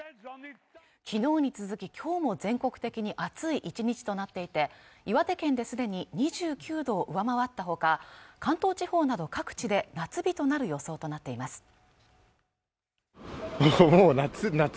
昨日に続き今日も全国的に暑い１日となっていて岩手県ですでに２９度を上回ったほか関東地方など各地で夏日となる予想となっています